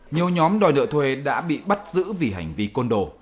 nhiều nhóm đòi nợ thuê đã bị bắt giữ vì hành vi côn đồ